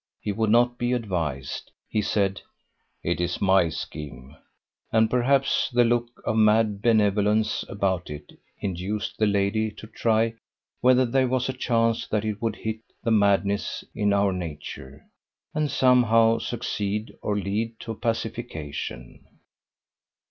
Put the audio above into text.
He would not be advised; he said: "It is my scheme"; and perhaps the look of mad benevolence about it induced the lady to try whether there was a chance that it would hit the madness in our nature, and somehow succeed or lead to a pacification.